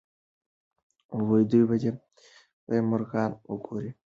دوی به د خدای مرغان وګوري.